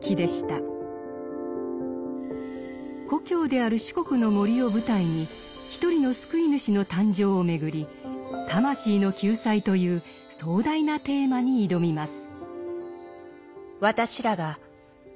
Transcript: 故郷である四国の森を舞台に一人の救い主の誕生をめぐり魂の救済という壮大なテーマに挑みます。